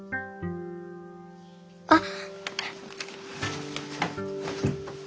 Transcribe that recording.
あっ。